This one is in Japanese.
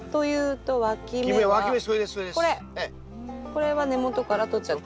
これは根元からとっちゃっていい？